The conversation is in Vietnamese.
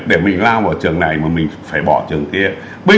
để mình lao ở trường này mà mình phải bỏ trường kia